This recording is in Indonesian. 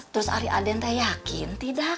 terus ari aden teh yakin tidak